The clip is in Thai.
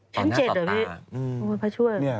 ชั้น๗หรอวิพระช่วย